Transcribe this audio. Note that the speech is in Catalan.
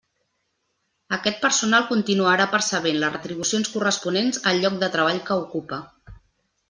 Aquest personal continuarà percebent les retribucions corresponents al lloc de treball que ocupa.